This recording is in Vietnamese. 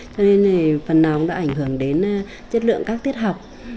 cho nên phần nào cũng đã ảnh hưởng đến chất lượng các tiết học